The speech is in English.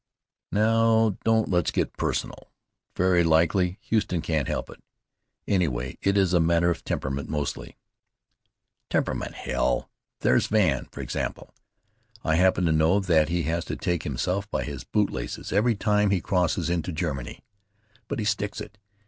"Now, don't let's get personal. Very likely Huston can't help it. Anyway, it is a matter of temperament mostly." "Temperament, hell! There's Van, for example. I happen to know that he has to take himself by his bootlaces every time he crosses into Germany. But he sticks it.